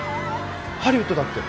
ハリウッドだって。